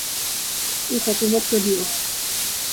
اس حکومت کیلئے۔